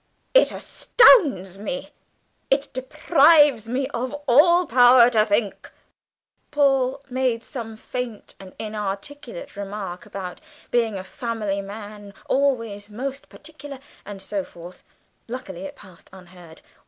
It astounds me. It deprives me of all power to think!" Paul made some faint and inarticulate remark about being a family man always most particular, and so forth luckily it passed unheard.